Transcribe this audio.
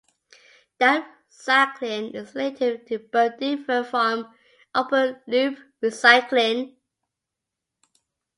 Downcycling is related to but different from 'open-loop recycling'.